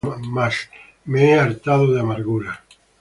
Mas hame hartado de amarguras.